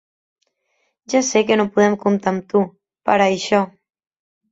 Ja sé que no podem comptar amb tu, per a això.